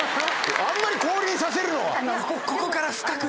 あんまり降臨させるのは。